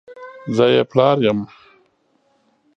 زه یې پلار یم !